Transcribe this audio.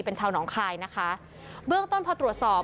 เป็นชาวหนองคายนะคะเบื้องต้นพอตรวจสอบ